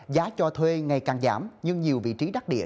giá cho thuê ngày càng giảm nhưng nhiều vị trí đắc địa